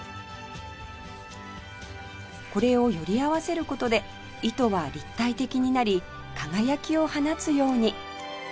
これをより合わせる事で糸は立体的になり輝きを放つように